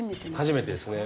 初めてですね。